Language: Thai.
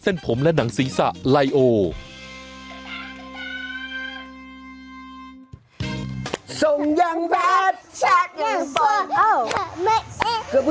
ส้งอย่างแบท